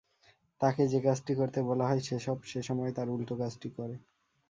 তাকে যে-কাজটি করতে বলা হয় সেসব সময় তার উলটো কাজটি করে।